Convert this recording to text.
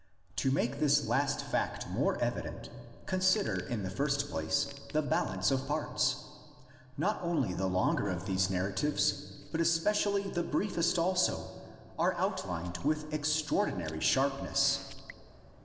To make this last fact more evident, consider in the first place the balance of parts. Not only the longer of these narratives, but especially the brief est also are outlined with extraordinary sharpness.